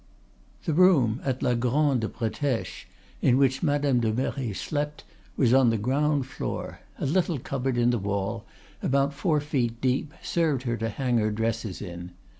"The room at la Grande Bretèche in which Madame de Merret slept was on the ground floor; a little cupboard in the wall, about four feet deep, served her to hang her dresses in.